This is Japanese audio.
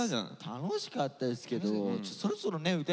楽しかったですけどそろそろね歌いたいよな